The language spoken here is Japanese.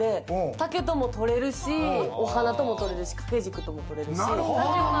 竹とも撮れるし、お花とも、とれるし、掛け軸ともとれる。